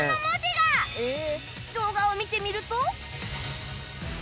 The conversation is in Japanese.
動画を見てみると